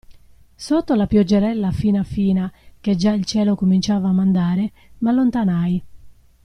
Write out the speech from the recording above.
Sotto la pioggerella fina fina che già il cielo cominciava a mandare, m'allontanai.